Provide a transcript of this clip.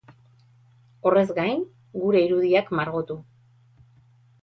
Horrez gain, gure irudiak margotu.